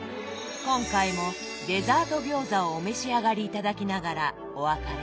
今回もデザート餃子をお召し上がり頂きながらお別れです。